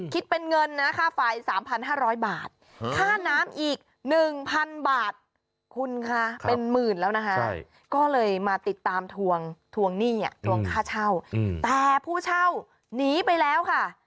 ก็น้ำอีก๑๐๐๐บาทคุณค่ะเป็นหมื่นแล้วนะฮะก็เลยมาติดตามทวงทวงหนี้ทวงค่าเช่าแต่ผู้เช่านี้ไปแล้วค่ะ